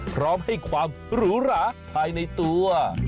พร้อมให้ความหรูหราภายในตัว